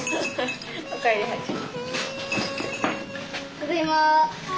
ただいま。